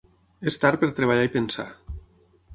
És tard per treballar i pensar.